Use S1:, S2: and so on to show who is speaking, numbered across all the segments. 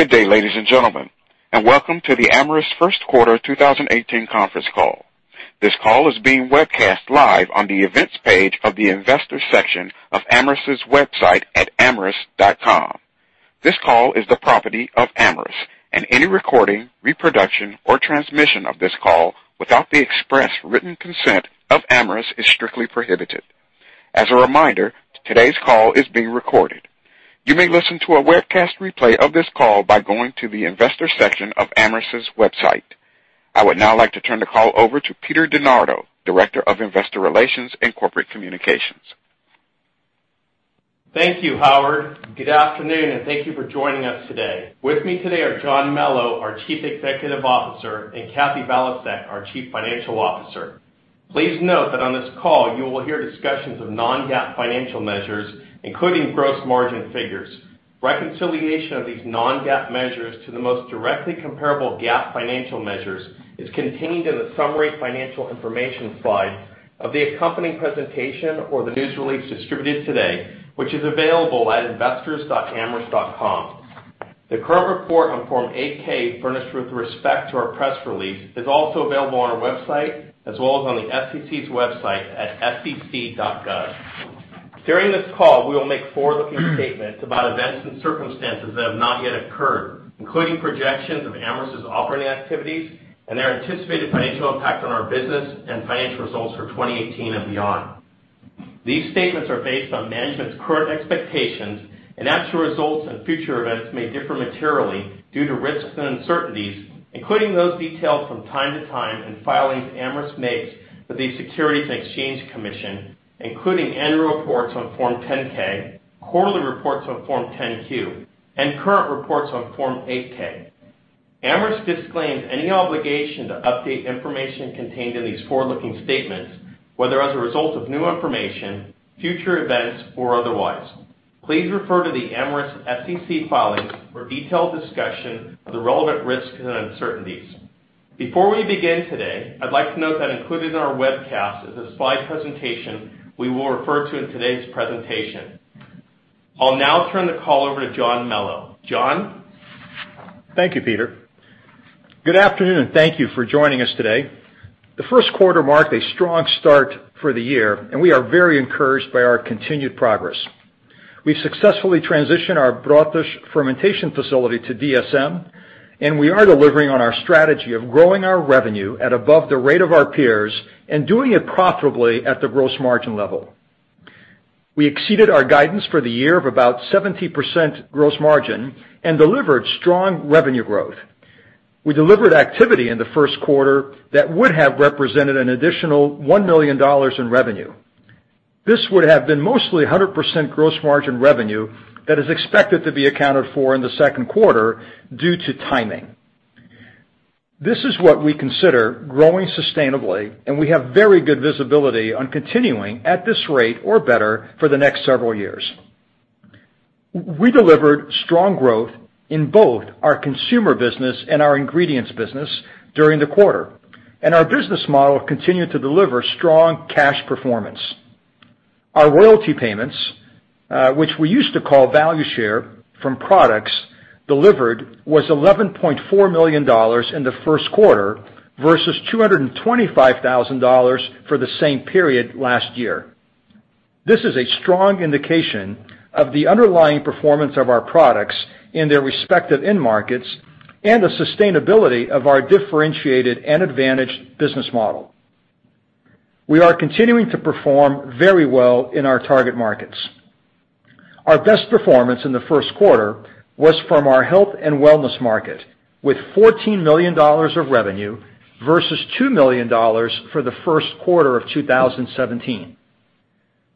S1: Good day, ladies and gentlemen, and welcome to the Amyris first quarter 2018 conference call. This call is being webcast live on the events page of the investor section of Amyris' website at amyris.com. This call is the property of Amyris, and any recording, reproduction, or transmission of this call without the express written consent of Amyris is strictly prohibited. As a reminder, today's call is being recorded. You may listen to a webcast replay of this call by going to the investor section of Amyris' website. I would now like to turn the call over to Peter DeNardo, Director of Investor Relations and Corporate Communications.
S2: Thank you, Howard. Good afternoon, and thank you for joining us today. With me today are John Melo, our Chief Executive Officer, and Kathy Valiasek, our Chief Financial Officer. Please note that on this call you will hear discussions of non-GAAP financial measures, including gross margin figures. Reconciliation of these non-GAAP measures to the most directly comparable GAAP financial measures is contained in the summary financial information slide of the accompanying presentation or the news release distributed today, which is available at investors.amyris.com. The current report on Form 8-K, furnished with respect to our press release, is also available on our website as well as on the SEC's website at sec.gov. During this call, we will make forward-looking statements about events and circumstances that have not yet occurred, including projections of Amyris' operating activities and their anticipated financial impact on our business and financial results for 2018 and beyond. These statements are based on management's current expectations, and actual results and future events may differ materially due to risks and uncertainties, including those detailed from time to time in filings Amyris makes with the Securities and Exchange Commission, including annual reports on Form 10-K, quarterly reports on Form 10-Q, and current reports on Form 8-K. Amyris disclaims any obligation to update information contained in these forward-looking statements, whether as a result of new information, future events, or otherwise. Please refer to the Amyris SEC filings for detailed discussion of the relevant risks and uncertainties. Before we begin today, I'd like to note that included in our webcast is a slide presentation we will refer to in today's presentation. I'll now turn the call over to John Melo. John?
S3: Thank you, Peter. Good afternoon, and thank you for joining us today. The first quarter marked a strong start for the year, and we are very encouraged by our continued progress. We've successfully transitioned our Brotas fermentation facility to DSM, and we are delivering on our strategy of growing our revenue at above the rate of our peers and doing it profitably at the gross margin level. We exceeded our guidance for the year of about 70% gross margin and delivered strong revenue growth. We delivered activity in the first quarter that would have represented an additional $1 million in revenue. This would have been mostly 100% gross margin revenue that is expected to be accounted for in the second quarter due to timing. This is what we consider growing sustainably, and we have very good visibility on continuing at this rate or better for the next several years. We delivered strong growth in both our consumer business and our ingredients business during the quarter, and our business model continued to deliver strong cash performance. Our royalty payments, which we used to call value share from products delivered, were $11.4 million in the first quarter versus $225,000 for the same period last year. This is a strong indication of the underlying performance of our products in their respective end markets and the sustainability of our differentiated and advantaged business model. We are continuing to perform very well in our target markets. Our best performance in the first quarter was from our Health and Wellness market, with $14 million of revenue versus $2 million for the first quarter of 2017.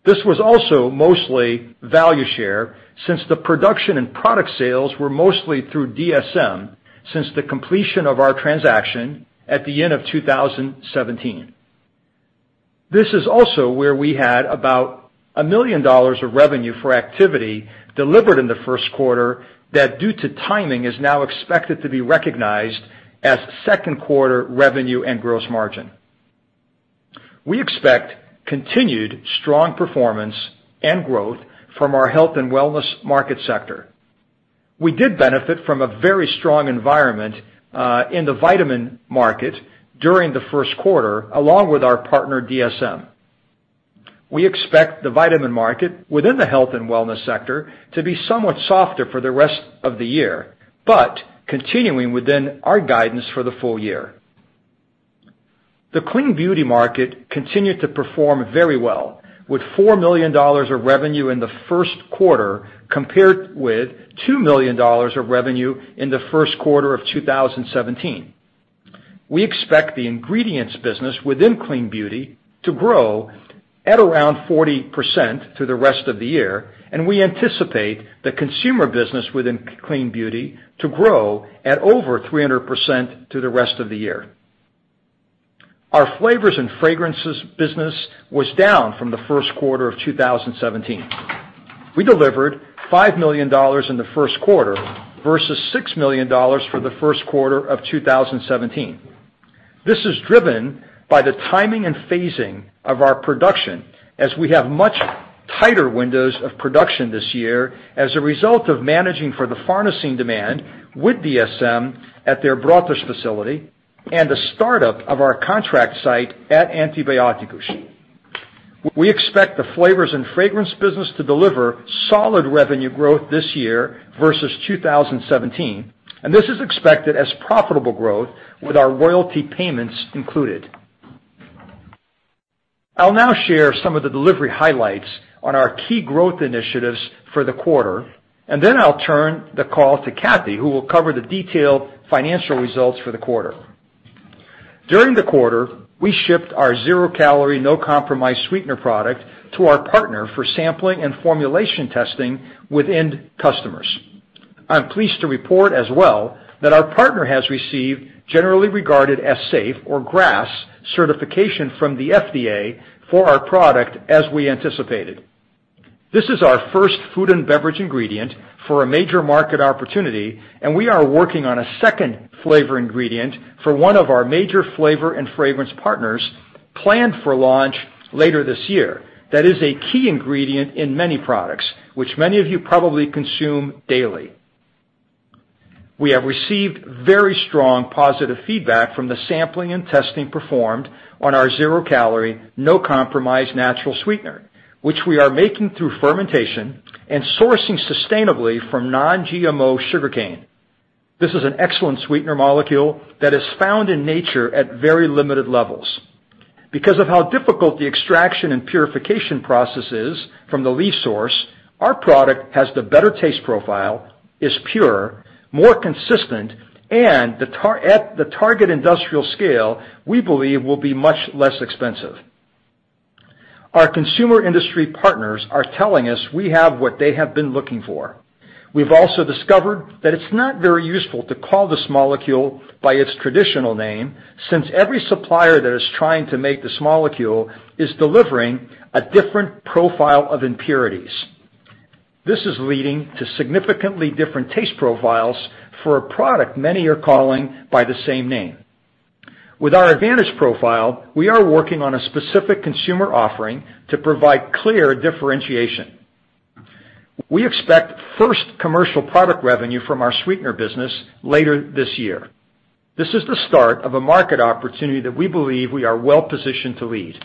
S3: This was also mostly value share since the production and product sales were mostly through DSM since the completion of our transaction at the end of 2017. This is also where we had about $1 million of revenue for activity delivered in the first quarter that, due to timing, is now expected to be recognized as second quarter revenue and gross margin. We expect continued strong performance and growth from our Health and Wellness market sector. We did benefit from a very strong environment in the vitamin market during the first quarter along with our partner DSM. We expect the vitamin market within the Health and Wellness sector to be somewhat softer for the rest of the year, but continuing within our guidance for the full year. The Clean Beauty market continued to perform very well, with $4 million of revenue in the first quarter compared with $2 million of revenue in the first quarter of 2017. We expect the ingredients business within Clean Beauty to grow at around 40% through the rest of the year, and we anticipate the consumer business within Clean Beauty to grow at over 300% through the rest of the year. Our Flavors & Fragrances business was down from the first quarter of 2017. We delivered $5 million in the first quarter versus $6 million for the first quarter of 2017. This is driven by the timing and phasing of our production, as we have much tighter windows of production this year as a result of managing for the pharmacy demand with DSM at their Brotas facility and the startup of our contract site at Antibióticos. We expect the Flavors & Fragrances business to deliver solid revenue growth this year versus 2017, and this is expected as profitable growth with our royalty payments included. I'll now share some of the delivery highlights on our key growth initiatives for the quarter, and then I'll turn the call to Kathy, who will cover the detailed financial results for the quarter. During the quarter, we shipped our No Compromise sweetener product to our partner for sampling and formulation testing within customers. I'm pleased to report as well that our partner has received generally regarded as safe or GRAS certification from the FDA for our product, as we anticipated. This is our first food and beverage ingredient for a major market opportunity, and we are working on a second flavor ingredient for one of our major Flavor & Fragrance partners planned for launch later this year that is a key ingredient in many products, which many of you probably consume daily. We have received very strong positive feedback from the sampling and testing performed on our No Compromise natural sweetener, which we are making through fermentation and sourcing sustainably from non-GMO sugarcane. This is an excellent sweetener molecule that is found in nature at very limited levels. Because of how difficult the extraction and purification process is from the leaf source, our product has the better taste profile, is pure, more consistent, and at the target industrial scale, we believe will be much less expensive. Our consumer industry partners are telling us we have what they have been looking for. We've also discovered that it's not very useful to call this molecule by its traditional name since every supplier that is trying to make this molecule is delivering a different profile of impurities. This is leading to significantly different taste profiles for a product many are calling by the same name. With our advantage profile, we are working on a specific consumer offering to provide clear differentiation. We expect first commercial product revenue from our sweetener business later this year. This is the start of a market opportunity that we believe we are well-positioned to lead.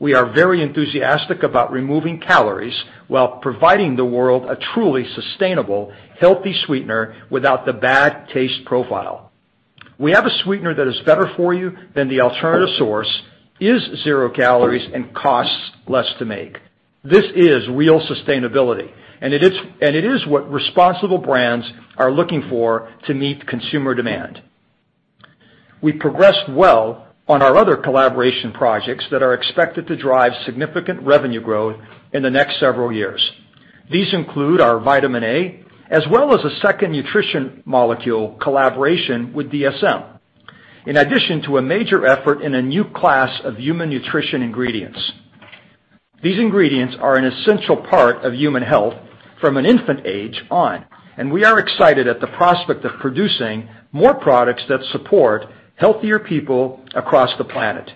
S3: We are very enthusiastic about removing calories while providing the world a truly sustainable, healthy sweetener without the bad taste profile. We have a sweetener that is better for you than the alternative source, is zero calories, and costs less to make. This is real sustainability, and it is what responsible brands are looking for to meet consumer demand. We progressed well on our other collaboration projects that are expected to drive significant revenue growth in the next several years. These include our vitamin A, as well as a second nutrition molecule collaboration with DSM, in addition to a major effort in a new class of human nutrition ingredients. These ingredients are an essential part of human health from an infant age on, and we are excited at the prospect of producing more products that support healthier people across the planet.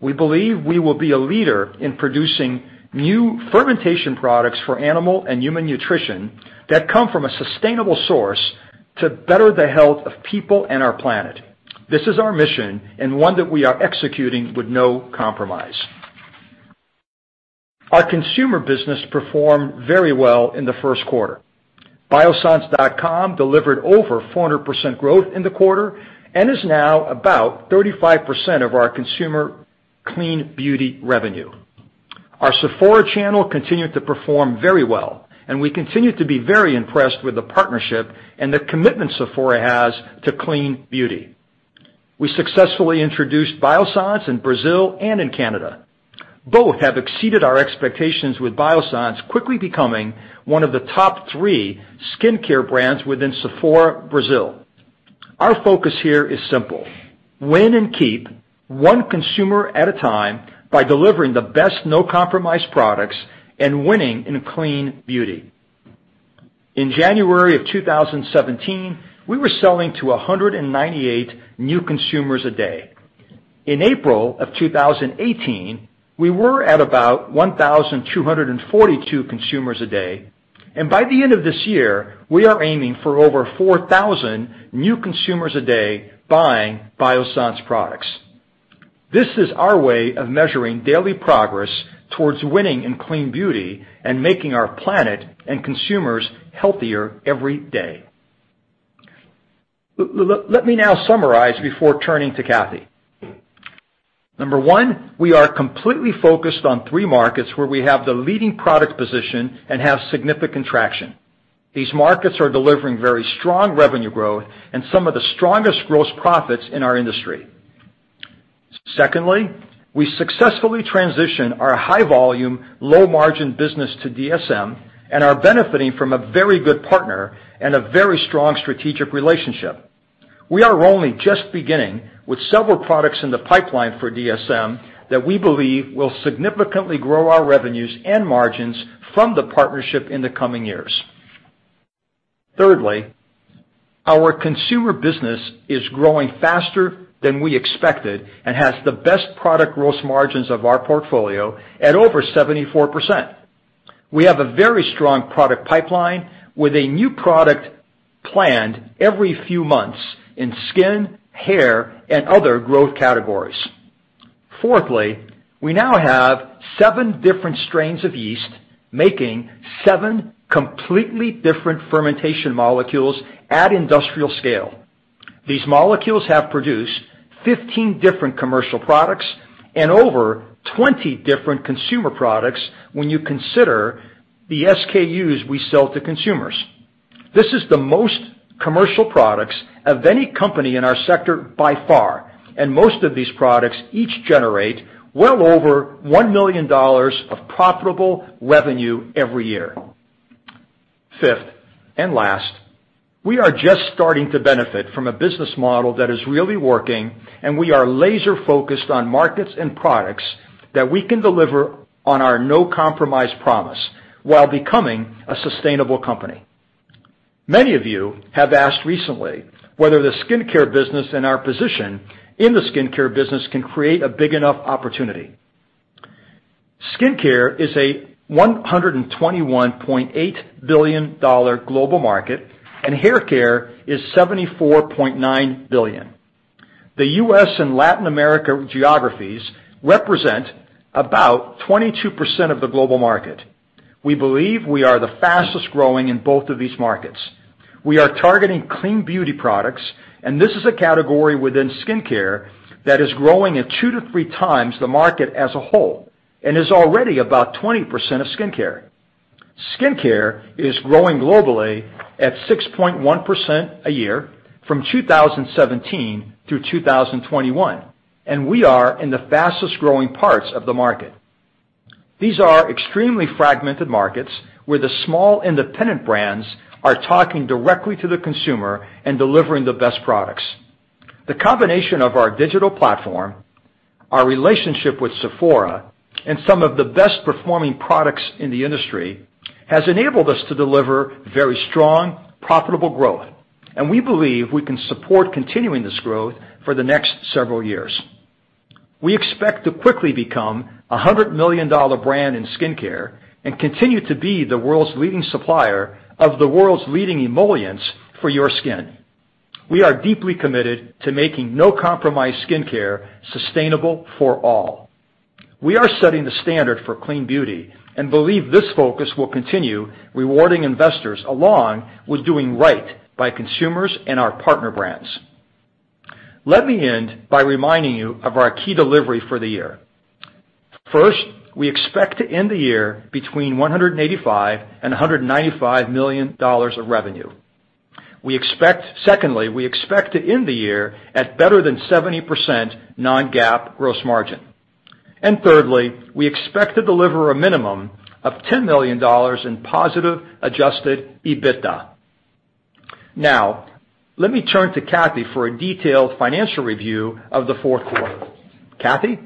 S3: We believe we will be a leader in producing new fermentation products for animal and human nutrition that come from a sustainable source to better the health of people and our planet. This is our mission and one that we are executing No Compromise. Our consumer business performed very well in the first quarter. Biossance.com delivered over 400% growth in the quarter and is now about 35% of our consumer Clean Beauty revenue. Our SEPHORA channel continued to perform very well, and we continue to be very impressed with the partnership and the commitment SEPHORA has to Clean Beauty. We successfully introduced Biossance in Brazil and in Canada. Both have exceeded our expectations with Biossance, quickly becoming one of the top three skincare brands within SEPHORA, Brazil. Our focus here is simple: win and keep one consumer at a time by delivering the No Compromise products and winning in Clean Beauty. In January of 2017, we were selling to 198 new consumers a day. In April of 2018, we were at about 1,242 consumers a day, and by the end of this year, we are aiming for over 4,000 new consumers a day buying Biossance products. This is our way of measuring daily progress towards winning in Clean Beauty and making our planet and consumers healthier every day. Let me now summarize before turning to Kathy. Number one, we are completely focused on three markets where we have the leading product position and have significant traction. These markets are delivering very strong revenue growth and some of the strongest gross profits in our industry. Secondly, we successfully transitioned our high-volume, low-margin business to DSM and are benefiting from a very good partner and a very strong strategic relationship. We are only just beginning with several products in the pipeline for DSM that we believe will significantly grow our revenues and margins from the partnership in the coming years. Thirdly, our consumer business is growing faster than we expected and has the best product gross margins of our portfolio at over 74%. We have a very strong product pipeline with a new product planned every few months in skin, hair, and other growth categories. Fourthly, we now have seven different strains of yeast making seven completely different fermentation molecules at industrial scale. These molecules have produced 15 different commercial products and over 20 different consumer products when you consider the SKUs we sell to consumers. This is the most commercial products of any company in our sector by far, and most of these products each generate well over $1 million of profitable revenue every year. Fifth and last, we are just starting to benefit from a business model that is really working, and we are laser-focused on markets and products that we can deliver on No Compromise promise while becoming a sustainable company. Many of you have asked recently whether the skincare business and our position in the skincare business can create a big enough opportunity. Skincare is a $121.8 billion global market, and hair care is $74.9 billion. The U.S. and Latin America geographies represent about 22% of the global market. We believe we are the fastest growing in both of these markets. We are targeting Clean Beauty products, and this is a category within skincare that is growing at two to three times the market as a whole and is already about 20% of skincare. Skincare is growing globally at 6.1% a year from 2017 through 2021, and we are in the fastest growing parts of the market. These are extremely fragmented markets where the small independent brands are talking directly to the consumer and delivering the best products. The combination of our digital platform, our relationship with SEPHORA, and some of the best-performing products in the industry has enabled us to deliver very strong, profitable growth, and we believe we can support continuing this growth for the next several years. We expect to quickly become a $100 million brand in skincare and continue to be the world's leading supplier of the world's leading emollients for your skin. We are deeply committed to No Compromise skincare sustainable for all. We are setting the standard for Clean Beauty and believe this focus will continue rewarding investors along with doing right by consumers and our partner brands. Let me end by reminding you of our key delivery for the year. First, we expect to end the year between $185 million and $195 million of revenue. Secondly, we expect to end the year at better than 70% non-GAAP gross margin. And thirdly, we expect to deliver a minimum of $10 million in positive Adjusted EBITDA. Now, let me turn to Kathy for a detailed financial review of the fourth quarter. Kathy?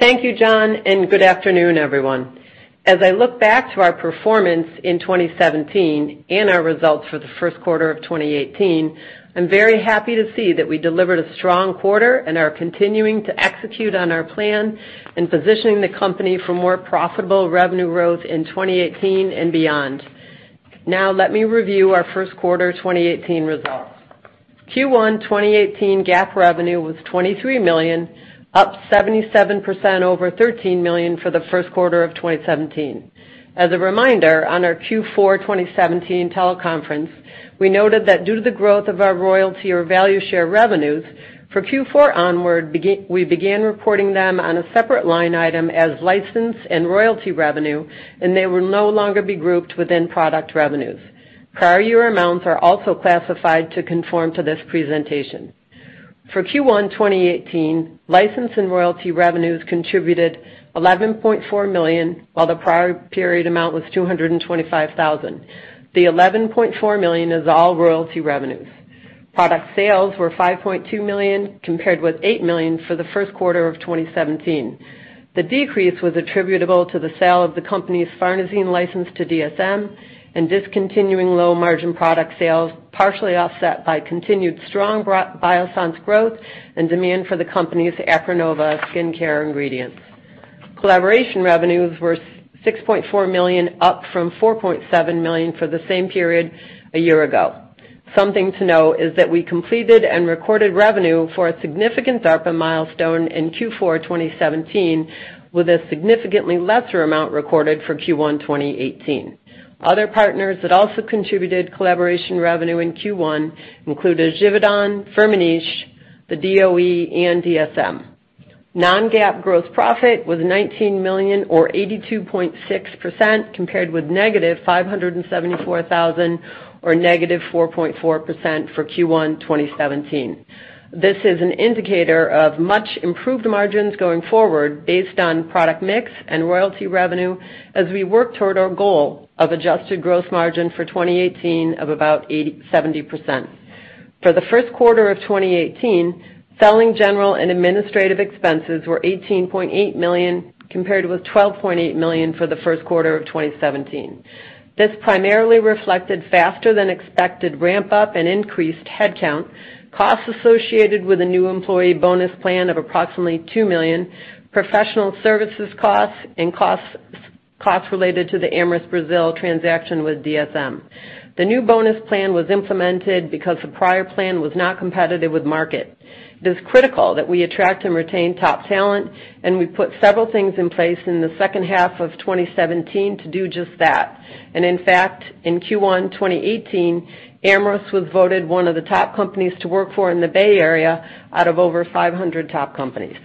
S4: Thank you, John, and good afternoon, everyone. As I look back to our performance in 2017 and our results for the first quarter of 2018, I'm very happy to see that we delivered a strong quarter and are continuing to execute on our plan and positioning the company for more profitable revenue growth in 2018 and beyond. Now, let me review our first quarter 2018 results. Q1 2018 GAAP revenue was $23 million, up 77% over $13 million for the first quarter of 2017. As a reminder, on our Q4 2017 teleconference, we noted that due to the growth of our royalty or value share revenues, for Q4 onward, we began reporting them on a separate line item as license and royalty revenue, and they will no longer be grouped within product revenues. Prior year amounts are also classified to conform to this presentation. For Q1 2018, license and royalty revenues contributed $11.4 million, while the prior period amount was $225,000. The $11.4 million is all royalty revenues. Product sales were $5.2 million compared with $8 million for the first quarter of 2017. The decrease was attributable to the sale of the company's pharmacy license to DSM and discontinuing low-margin product sales, partially offset by continued strong Biossance growth and demand for the company's Aprinnova skincare ingredients. Collaboration revenues were $6.4 million, up from $4.7 million for the same period a year ago. Something to note is that we completed and recorded revenue for a significant DARPA milestone in Q4 2017, with a significantly lesser amount recorded for Q1 2018. Other partners that also contributed collaboration revenue in Q1 included Givaudan, Firmenich, the DOE, and DSM. Non-GAAP gross profit was $19 million, or 82.6%, compared with -$574,000 or -4.4% for Q1 2017. This is an indicator of much improved margins going forward based on product mix and royalty revenue as we work toward our goal of adjusted gross margin for 2018 of about 70%. For the first quarter of 2018, selling general and administrative expenses were $18.8 million, compared with $12.8 million for the first quarter of 2017. This primarily reflected faster-than-expected ramp-up and increased headcount, costs associated with a new employee bonus plan of approximately $2 million, professional services costs, and costs related to the Amyris, Brazil transaction with DSM. The new bonus plan was implemented because the prior plan was not competitive with market. It is critical that we attract and retain top talent, and we put several things in place in the second half of 2017 to do just that. In fact, in Q1 2018, Amyris was voted one of the top companies to work for in the Bay Area out of over 500 top companies.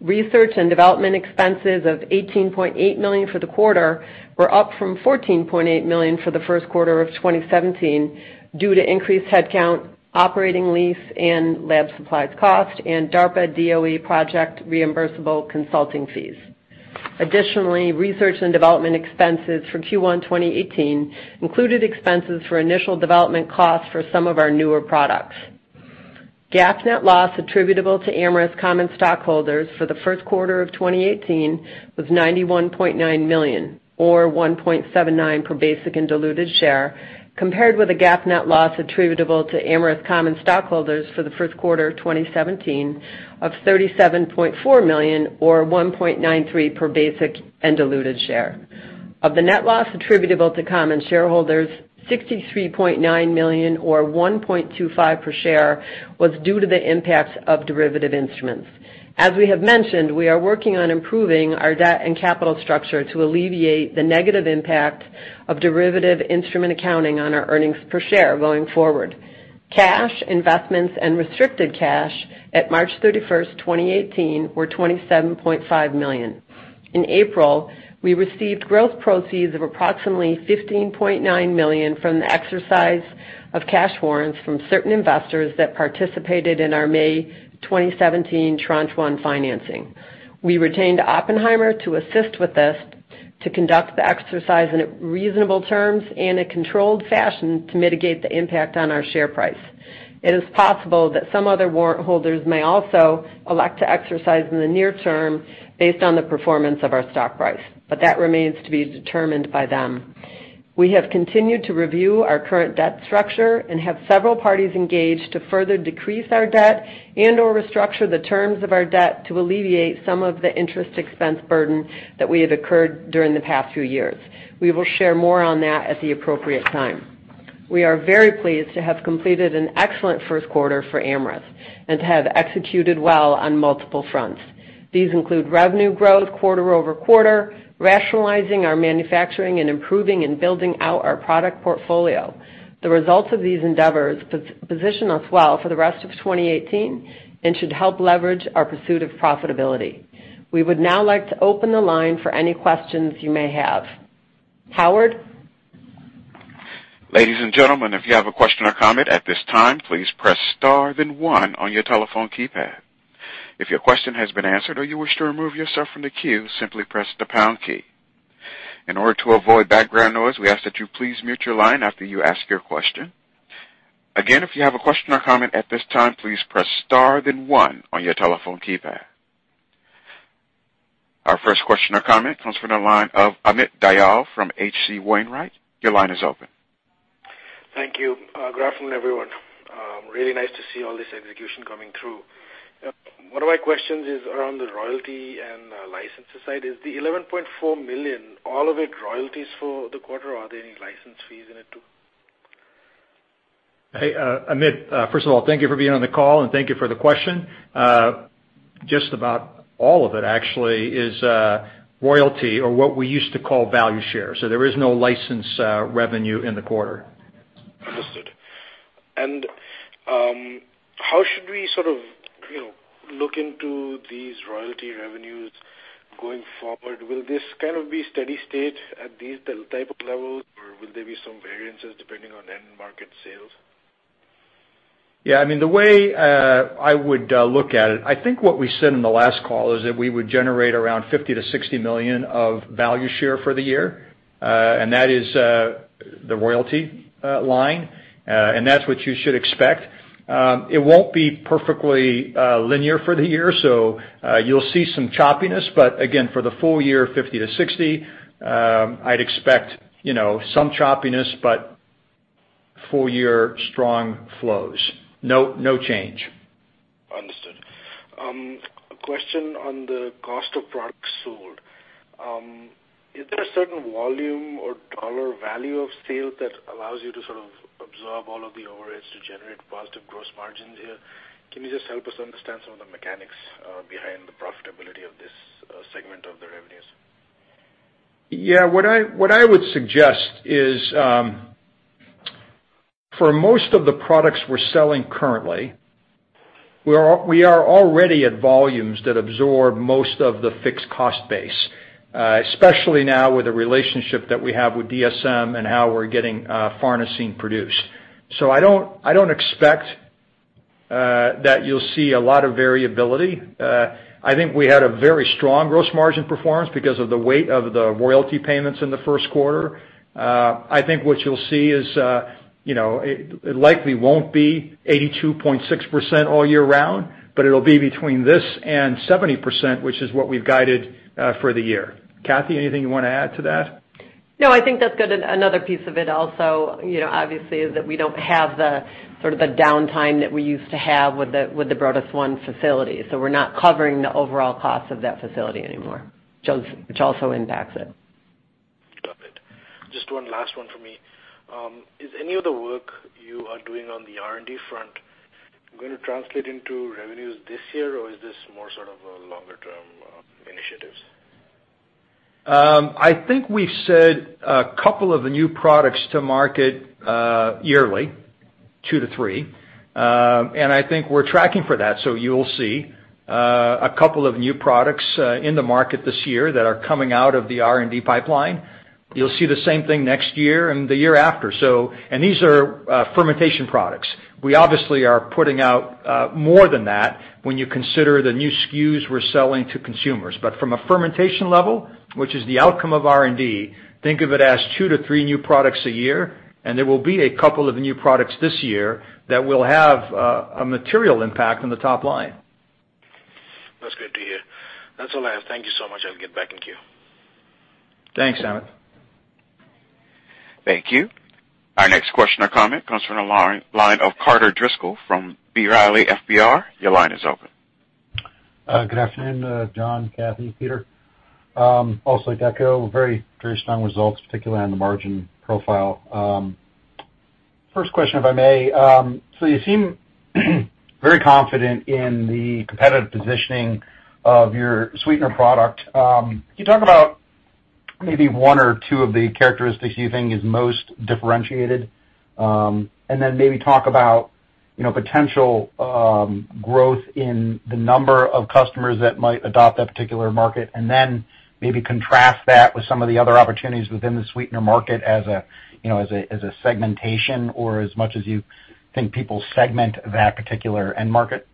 S4: Research and development expenses of $18.8 million for the quarter were up from $14.8 million for the first quarter of 2017 due to increased headcount, operating lease, and lab supplies cost, and DARPA DOE project reimbursable consulting fees. Additionally, research and development expenses for Q1 2018 included expenses for initial development costs for some of our newer products. GAAP net loss attributable to Amyris Common Stockholders for the first quarter of 2018 was $91.9 million, or $1.79 per basic and diluted share, compared with a GAAP net loss attributable to Amyris Common Stockholders for the first quarter of 2017 of $37.4 million, or $1.93 per basic and diluted share. Of the net loss attributable to common shareholders, $63.9 million, or $1.25 per share, was due to the impacts of derivative instruments. As we have mentioned, we are working on improving our debt and capital structure to alleviate the negative impact of derivative instrument accounting on our earnings per share going forward. Cash, investments, and restricted cash at March 31st, 2018, were $27.5 million. In April, we received gross proceeds of approximately $15.9 million from the exercise of cash warrants from certain investors that participated in our May 2017 tranche one financing. We retained Oppenheimer to assist with this to conduct the exercise in reasonable terms and in a controlled fashion to mitigate the impact on our share price. It is possible that some other warrant holders may also elect to exercise in the near term based on the performance of our stock price, but that remains to be determined by them. We have continued to review our current debt structure and have several parties engaged to further decrease our debt and/or restructure the terms of our debt to alleviate some of the interest expense burden that we have incurred during the past few years. We will share more on that at the appropriate time. We are very pleased to have completed an excellent first quarter for Amyris and to have executed well on multiple fronts. These include revenue growth quarter over quarter, rationalizing our manufacturing and improving and building out our product portfolio. The results of these endeavors position us well for the rest of 2018 and should help leverage our pursuit of profitability. We would now like to open the line for any questions you may have. Howard?
S1: Ladies and gentlemen, if you have a question or comment at this time, please press star then one on your telephone keypad. If your question has been answered or you wish to remove yourself from the queue, simply press the pound key. In order to avoid background noise, we ask that you please mute your line after you ask your question. Again, if you have a question or comment at this time, please press star then one on your telephone keypad. Our first question or comment comes from the line of Amit Dayal from H.C. Wainwright. Your line is open.
S5: Thank you. Good afternoon, everyone. Really nice to see all this execution coming through. One of my questions is around the royalty and licensing side. Is the $11.4 million all royalties for the quarter, or are there any license fees in it too?
S3: Amit, first of all, thank you for being on the call and thank you for the question. Just about all of it, actually, is royalty or what we used to call value share. So there is no license revenue in the quarter.
S5: Understood. And how should we sort of look into these royalty revenues going forward? Will this kind of be steady state at these type of levels, or will there be some variances depending on end market sales?
S3: Yeah. I mean, the way I would look at it, I think what we said in the last call is that we would generate around $50 million-$60 million of value share for the year, and that is the royalty line, and that's what you should expect. It won't be perfectly linear for the year, so you'll see some choppiness. But again, for the full year, $50 million-$60 million, I'd expect some choppiness, but full year strong flows. No change.
S5: Understood. A question on the cost of products sold. Is there a certain volume or dollar value of sales that allows you to sort of absorb all of the overheads to generate positive gross margins here? Can you just help us understand some of the mechanics behind the profitability of this segment of the revenues?
S3: Yeah. What I would suggest is for most of the products we're selling currently, we are already at volumes that absorb most of the fixed cost base, especially now with the relationship that we have with DSM and how we're getting Farnesene produced. So I don't expect that you'll see a lot of variability. I think we had a very strong gross margin performance because of the weight of the royalty payments in the first quarter. I think what you'll see is it likely won't be 82.6% all year round, but it'll be between this and 70%, which is what we've guided for the year. Kathy, anything you want to add to that?
S4: No. I think that's good. Another piece of it also, obviously, is that we don't have sort of the downtime that we used to have with the Brotas 1 facility. So we're not covering the overall cost of that facility anymore, which also impacts it.
S5: Got it. Just one last one for me. Is any of the work you are doing on the R&D front going to translate into revenues this year, or is this more sort of longer-term initiatives?
S3: I think we've said a couple of the new products to market yearly, two to three, and I think we're tracking for that, so you'll see a couple of new products in the market this year that are coming out of the R&D pipeline. You'll see the same thing next year and the year after, and these are fermentation products. We obviously are putting out more than that when you consider the new SKUs we're selling to consumers, but from a fermentation level, which is the outcome of R&D, think of it as two to three new products a year, and there will be a couple of new products this year that will have a material impact on the top line.
S5: That's good to hear. That's all I have. Thank you so much. I'll get back in queue.
S3: Thanks, Amit. Thank you.
S1: Our next question or comment comes from the line of Carter Driscoll from B. Riley FBR. Your line is open.
S6: Good afternoon, John, Kathy, Peter. Also Q2, very strong results, particularly on the margin profile. First question, if I may. So you seem very confident in the competitive positioning of your sweetener product. Can you talk about maybe one or two of the characteristics you think is most differentiated, and then maybe talk about potential growth in the number of customers that might adopt that particular market, and then maybe contrast that with some of the other opportunities within the sweetener market as a segmentation or as much as you think people segment that particular end market?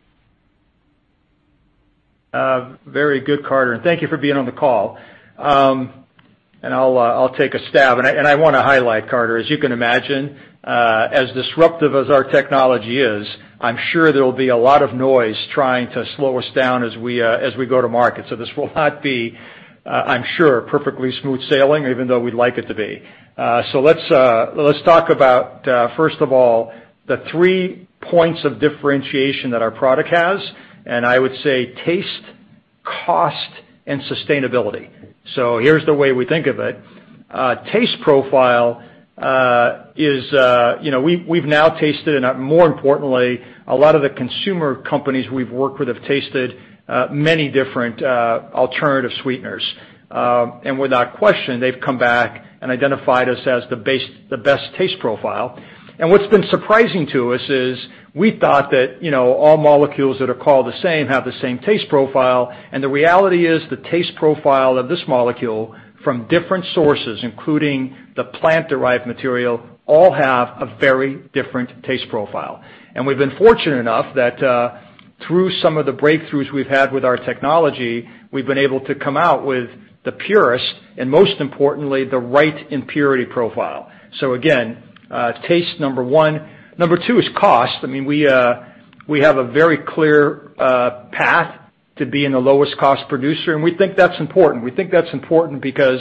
S3: Very good, Carter. And thank you for being on the call. And I'll take a stab. And I want to highlight, Carter, as you can imagine, as disruptive as our technology is, I'm sure there will be a lot of noise trying to slow us down as we go to market. So this will not be, I'm sure, perfectly smooth sailing, even though we'd like it to be. So let's talk about, first of all, the three points of differentiation that our product has, and I would say taste, cost, and sustainability. So here's the way we think of it. Taste profile is we've now tasted, and more importantly, a lot of the consumer companies we've worked with have tasted many different alternative sweeteners. And without question, they've come back and identified us as the best taste profile. And what's been surprising to us is we thought that all molecules that are called the same have the same taste profile. And the reality is the taste profile of this molecule from different sources, including the plant-derived material, all have a very different taste profile. And we've been fortunate enough that through some of the breakthroughs we've had with our technology, we've been able to come out with the purest and, most importantly, the right impurity profile. So again, taste number one. Number two is cost. I mean, we have a very clear path to be in the lowest-cost producer, and we think that's important. We think that's important because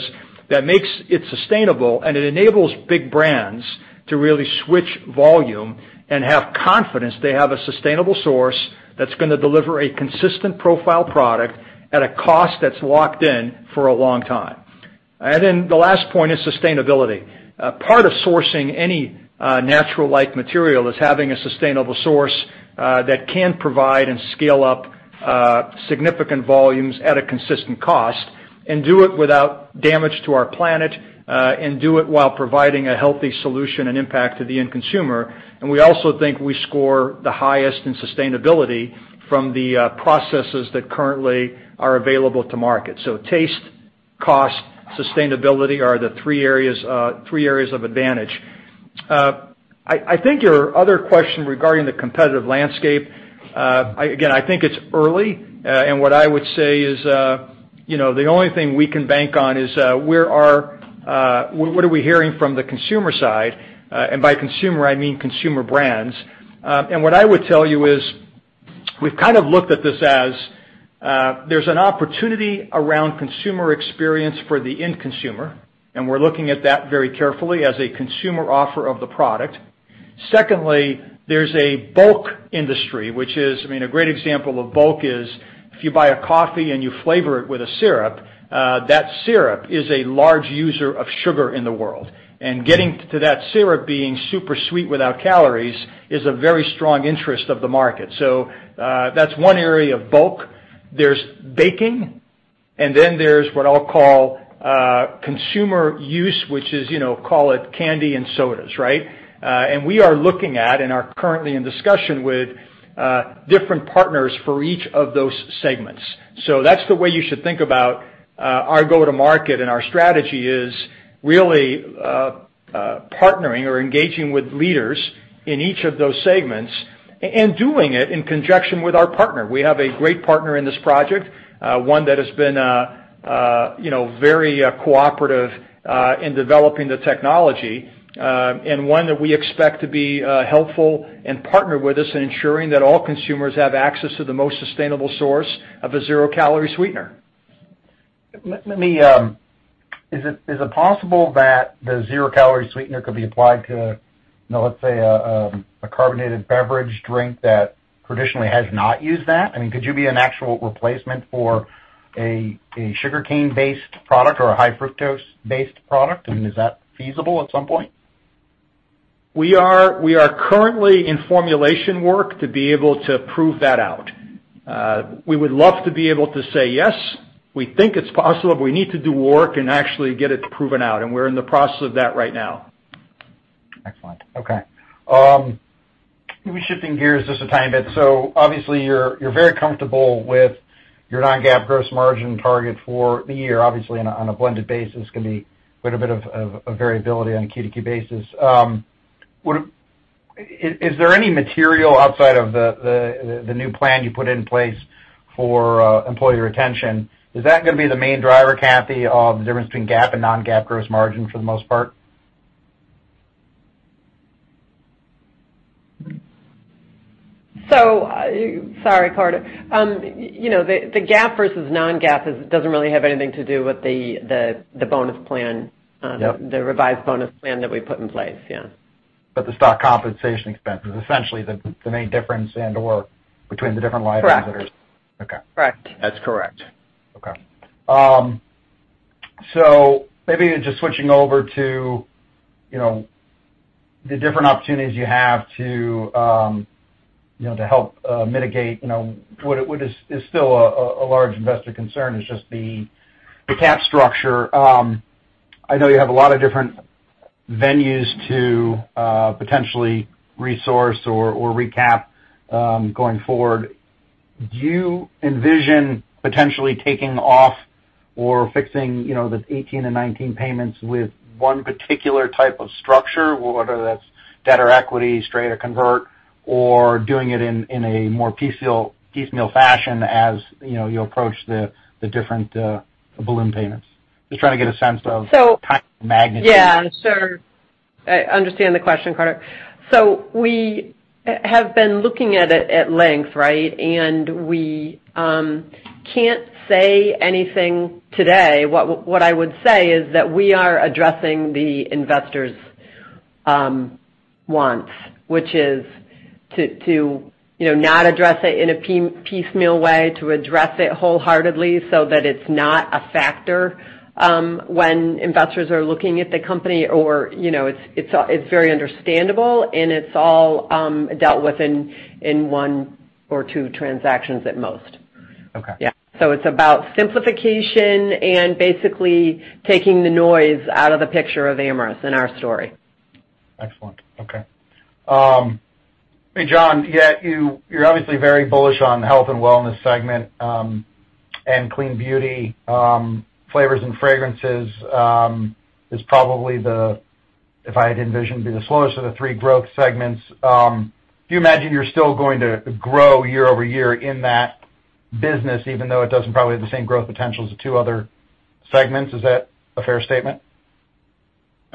S3: that makes it sustainable, and it enables big brands to really switch volume and have confidence they have a sustainable source that's going to deliver a consistent profile product at a cost that's locked in for a long time. And then the last point is sustainability. Part of sourcing any natural-like material is having a sustainable source that can provide and scale up significant volumes at a consistent cost and do it without damage to our planet and do it while providing a healthy solution and impact to the end consumer. And we also think we score the highest in sustainability from the processes that currently are available to market. So taste, cost, sustainability are the three areas of advantage. I think your other question regarding the competitive landscape, again, I think it's early. And what I would say is the only thing we can bank on is what are we hearing from the consumer side. And by consumer, I mean consumer brands. What I would tell you is we've kind of looked at this as there's an opportunity around consumer experience for the end consumer, and we're looking at that very carefully as a consumer offer of the product. Secondly, there's a bulk industry, which is, I mean, a great example of bulk is if you buy a coffee and you flavor it with a syrup, that syrup is a large user of sugar in the world. And getting to that syrup being super sweet without calories is a very strong interest of the market. So that's one area of bulk. There's baking, and then there's what I'll call consumer use, which is call it candy and sodas, right? And we are looking at and are currently in discussion with different partners for each of those segments. So that's the way you should think about our go-to-market, and our strategy is really partnering or engaging with leaders in each of those segments and doing it in conjunction with our partner. We have a great partner in this project, one that has been very cooperative in developing the technology, and one that we expect to be helpful and partner with us in ensuring that all consumers have access to the most sustainable source of a zero-calorie sweetener.
S6: Is it possible that the zero-calorie sweetener could be applied to, let's say, a carbonated beverage drink that traditionally has not used that? I mean, could you be an actual replacement for a sugarcane-based product or a high-fructose-based product? I mean, is that feasible at some point?
S3: We are currently in formulation work to be able to prove that out. We would love to be able to say, "Yes, we think it's possible." We need to do work and actually get it proven out, and we're in the process of that right now.
S6: Excellent. Okay. Maybe shifting gears just a tiny bit. So obviously, you're very comfortable with your non-GAAP gross margin target for the year. Obviously, on a blended basis, it's going to be quite a bit of variability on a quarter-to-quarter basis. Is there any material outside of the new plan you put in place for employee retention? Is that going to be the main driver, Kathy, of the difference between GAAP and non-GAAP gross margin for the most part?
S3: So sorry, Carter. The GAAP versus non-GAAP doesn't really have anything to do with the bonus plan, the revised bonus plan that we put in place. Yeah.
S6: But the stock compensation expense is essentially the main difference and/or between the different lines that are?
S4: Correct. Correct.
S3: That's correct.
S6: Okay. So maybe just switching over to the different opportunities you have to help mitigate what is still a large investor concern, which is just the capital structure. I know you have a lot of different venues to potentially resource or recap going forward. Do you envision potentially taking off or fixing the 2018 and 2019 payments with one particular type of structure, whether that's debt or equity, straight or convertible, or doing it in a more piecemeal fashion as you approach the different balloon payments? Just trying to get a sense of time and magnitude.
S4: Yeah. Sure. I understand the question, Carter. So we have been looking at it at length, right? And we can't say anything today. What I would say is that we are addressing the investors' wants, which is to not address it in a piecemeal way, to address it wholeheartedly so that it's not a factor when investors are looking at the company, or it's very understandable, and it's all dealt with in one or two transactions at most. Yeah. So it's about simplification and basically taking the noise out of the picture of Amyris in our story.
S6: Excellent. Okay. Hey, John, you're obviously very bullish on the Health and Wellness segment and Clean Beauty. Flavors and fragrances is probably, if I had envisioned, be the slowest of the three growth segments. Do you imagine you're still going to grow year-over-year in that business, even though it doesn't probably have the same growth potential as the two other segments? Is that a fair statement?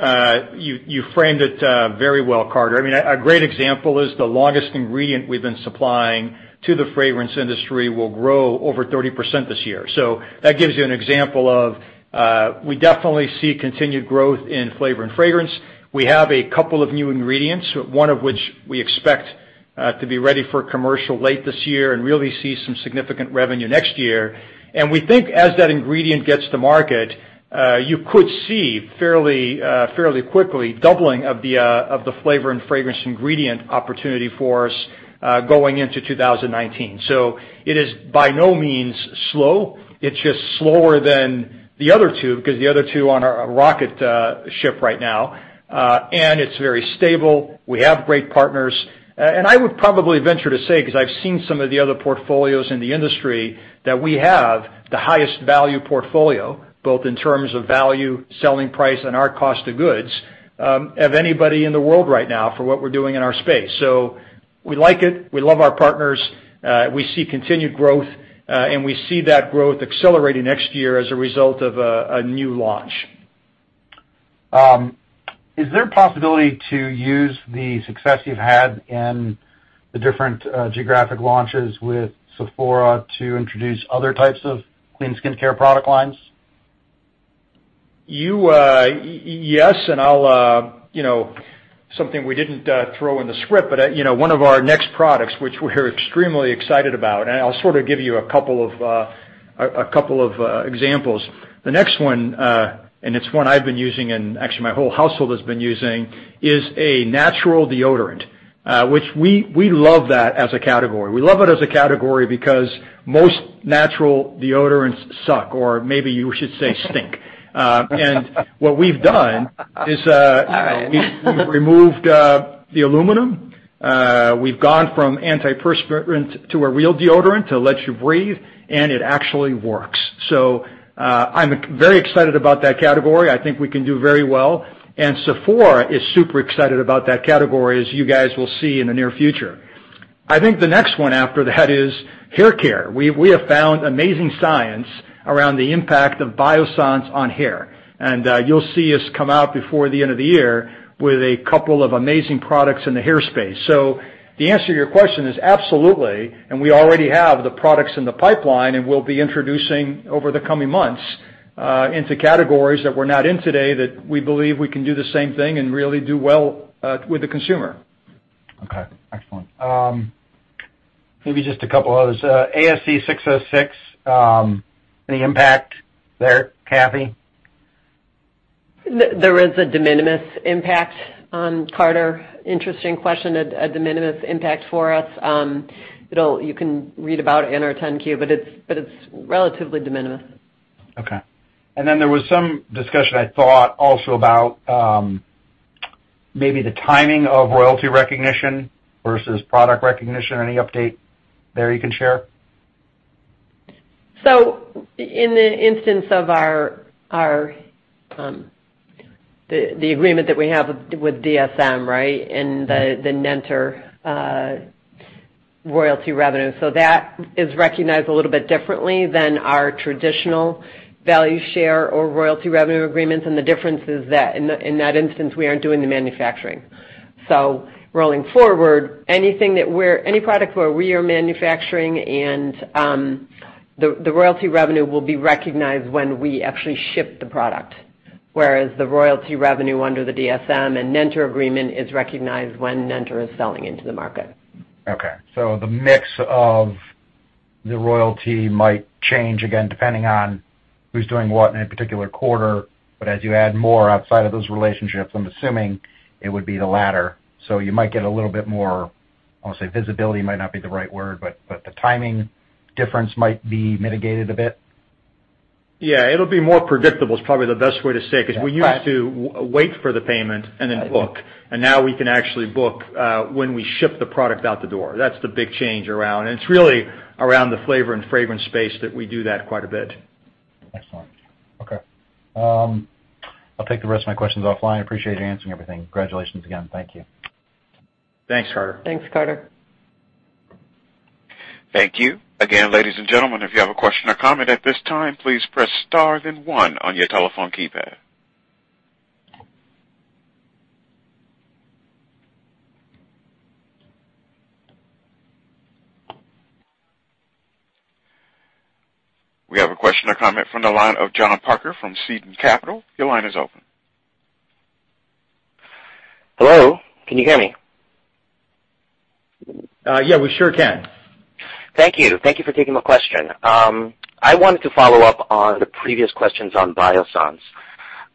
S3: You framed it very well, Carter. I mean, a great example is the longest ingredient we've been supplying to the fragrance industry will grow over 30% this year. So that gives you an example of we definitely see continued growth in Flavor & Fragrance. We have a couple of new ingredients, one of which we expect to be ready for commercial late this year and really see some significant revenue next year. And we think as that ingredient gets to market, you could see fairly quickly doubling of the Flavor & Fragrance ingredient opportunity for us going into 2019. So it is by no means slow. It's just slower than the other two because the other two are on a rocket ship right now. And it's very stable. We have great partners. I would probably venture to say, because I've seen some of the other portfolios in the industry, that we have the highest value portfolio, both in terms of value, selling price, and our cost of goods, of anybody in the world right now for what we're doing in our space. So we like it. We love our partners. We see continued growth, and we see that growth accelerating next year as a result of a new launch.
S6: Is there a possibility to use the success you've had in the different geographic launches with SEPHORA to introduce other types of clean skincare product lines?
S3: Yes. And something we didn't throw in the script, but one of our next products, which we're extremely excited about, and I'll sort of give you a couple of examples. The next one, and it's one I've been using, and actually my whole household has been using, is a natural deodorant, which we love that as a category. We love it as a category because most natural deodorants suck, or maybe you should say stink. And what we've done is we've removed the aluminum. We've gone from antiperspirant to a real deodorant to let you breathe, and it actually works. So I'm very excited about that category. I think we can do very well. And SEPHORA is super excited about that category, as you guys will see in the near future. I think the next one after that is haircare. We have found amazing science around the impact of Biossance on hair. And you'll see us come out before the end of the year with a couple of amazing products in the hairspace. So the answer to your question is absolutely. And we already have the products in the pipeline, and we'll be introducing over the coming months into categories that we're not in today that we believe we can do the same thing and really do well with the consumer.
S6: Okay. Excellent. Maybe just a couple others. ASC 606, any impact there, Kathy?
S4: There is a de minimis impact, Carter. Interesting question. A de minimis impact for us. You can read about it in our 10-Q, but it's relatively de minimis.
S6: Okay. And then there was some discussion, I thought, also about maybe the timing of royalty recognition versus product recognition. Any update there you can share?
S4: So in the instance of the agreement that we have with DSM, right, and the Nenter royalty revenue, so that is recognized a little bit differently than our traditional value share or royalty revenue agreements. And the difference is that in that instance, we aren't doing the manufacturing. So rolling forward, any product where we are manufacturing and the royalty revenue will be recognized when we actually ship the product, whereas the royalty revenue under the DSM and Nenter agreement is recognized when Nenter is selling into the market.
S6: Okay. So the mix of the royalty might change, again, depending on who's doing what in a particular quarter. But as you add more outside of those relationships, I'm assuming it would be the latter. So you might get a little bit more, I'll say visibility might not be the right word, but the timing difference might be mitigated a bit.
S3: Yeah. It'll be more predictable is probably the best way to say it because we used to wait for the payment and then book. Now we can actually book when we ship the product out the door. That's the big change around. It's really around the Flavor & Fragrance space that we do that quite a bit.
S6: Excellent. Okay. I'll take the rest of my questions offline. Appreciate you answering everything. Congratulations again. Thank you.
S3: Thanks, Carter.
S4: Thanks, Carter.
S1: Thank you. Again, ladies and gentlemen, if you have a question or comment at this time, please press star then one on your telephone keypad. We have a question or comment from the line of [John Parker] from Seaton Capital. Your line is open.
S7: Hello. Can you hear me? Yeah, we sure can. Thank you. Thank you for taking my question. I wanted to follow up on the previous questions on Biossance.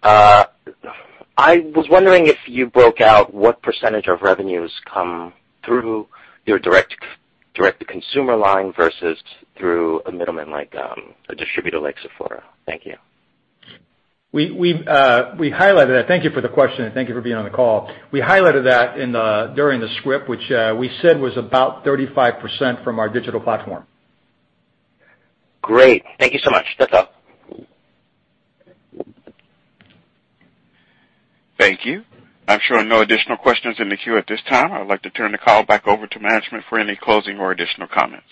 S7: I was wondering if you broke out what percentage of revenues come through your direct-to-consumer line versus through a middleman like a distributor like SEPHORA? Thank you.
S3: We highlighted that. Thank you for the question, and thank you for being on the call. We highlighted that during the script, which we said was about 35% from our digital platform.
S7: Great. Thank you so much. That's all.
S1: Thank you. I'm sure no additional questions in the queue at this time. I'd like to turn the call back over to management for any closing or additional comments.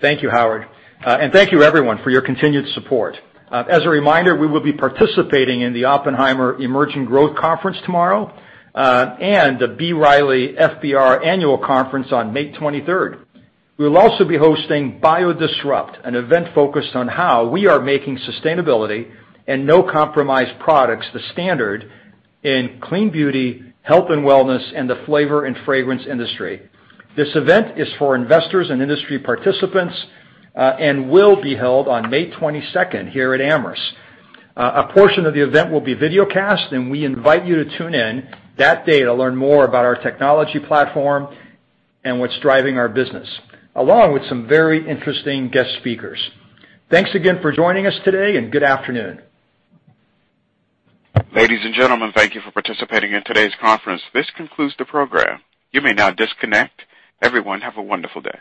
S3: Thank you, Howard. And thank you, everyone, for your continued support. As a reminder, we will be participating in the Oppenheimer Emerging Growth Conference tomorrow and the B. Riley FBR Annual Conference on May 23rd. We will also be hosting BioDisrupt, an event focused on how we are making sustainability No Compromise products the standard in Clean Beauty, Health and Wellness, and the Flavor & Fragrance industry. This event is for investors and industry participants and will be held on May 22nd here at Amyris. A portion of the event will be videocast, and we invite you to tune in that day to learn more about our technology platform and what's driving our business, along with some very interesting guest speakers. Thanks again for joining us today, and good afternoon.
S1: Ladies and gentlemen, thank you for participating in today's conference. This concludes the program. You may now disconnect. Everyone, have a wonderful day.